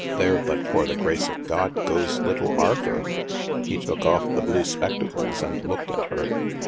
'There, but for the grace of God, goes little Arthur.' " He took off the blue spectacles and looked at her.